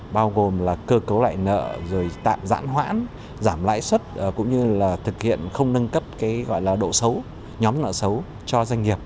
bao gồm là cơ cấu lại nợ rồi tạm giãn hoãn giảm lãi xuất cũng như là thực hiện không nâng cấp độ xấu nhóm nợ xấu cho doanh nghiệp